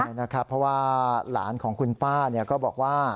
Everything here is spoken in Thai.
ใช่นะครับเพราะว่าหลานของคุณป้าก็บอกว่า